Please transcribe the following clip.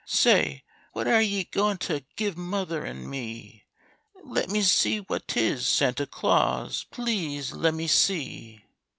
Say! what are ye goin' t'give mother an' me? Le'me see what 'tis, Santa Claus please le'me see!"